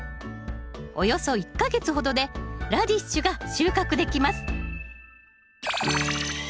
およそ１か月ほどでラディッシュが収穫できます